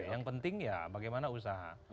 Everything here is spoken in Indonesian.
yang penting ya bagaimana usaha